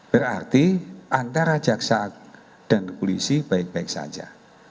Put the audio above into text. berarti antara jaksa dan polisi baik baik saja